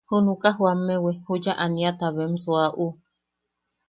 Junuka jooammewi, juya aniata bem suuaʼu.